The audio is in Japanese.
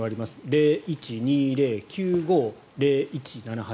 ０１２０−９５−０１７８